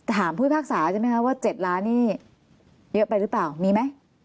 ผู้พิพากษาใช่ไหมคะว่า๗ล้านนี่เยอะไปหรือเปล่ามีไหม